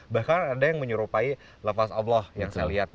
bahkan ada yang menyerupai lepas allah yang saya lihat